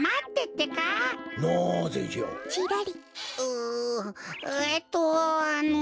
んえっとあの。